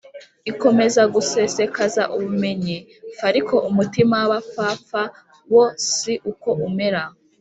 ikomeza gusesekaza ubumenyi f ariko umutima w abapfapfa wo si uko umera